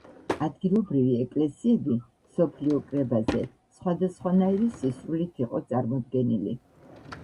ადგილობრივი ეკლესიები მსოფლიო კრებაზე სხვადასხვაგვარი სისრულით იყო წარმოდგენილი.